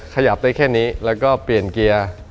ขยับได้แค่นี้แล้วก็เปลี่ยนเกียร์